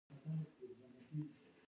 باور کول تر ټولو خطرناکه لوبه ده.